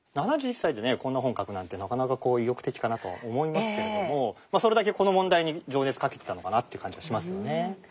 ７１歳でこんな本書くなんてなかなか意欲的かなと思いますけれどもそれだけこの問題に情熱懸けてたのかなという感じがしますよね。